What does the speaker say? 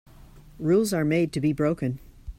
Rules are made to be broken.